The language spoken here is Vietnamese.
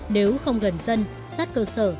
nếu không gần dân sát cơ sở